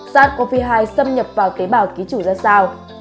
sars cov hai xâm nhập vào tế bào ký chủ ra sao